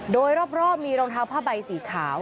โดยรอบมีรองเท้าผ้าใบสีขาว